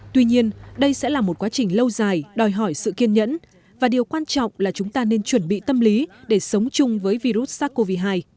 tuy nhiên đây sẽ là một quá trình lâu dài đòi hỏi sự kiên nhẫn và điều quan trọng là chúng ta nên chuẩn bị tâm lý để sống chung với virus sars cov hai